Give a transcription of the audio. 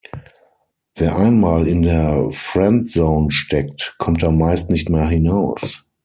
Wer einmal in der Friendzone steckt, kommt da meist nicht mehr hinaus.